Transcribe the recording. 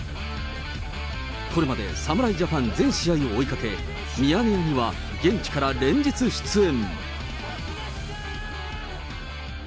これまで侍ジャパン全試合を追いかけ、ミヤネ屋には現地から連日出演。